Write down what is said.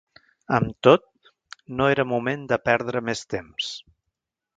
Amb tot, no era moment de perdre més temps.